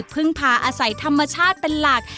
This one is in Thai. พึ่งพาอาศัยธรรมชาติเป็นหลัก